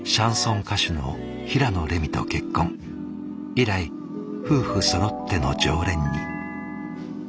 以来夫婦そろっての常連に。